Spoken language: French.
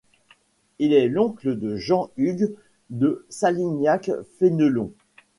Il est l'oncle de Jean-Hugues de Salignac-Fénelon.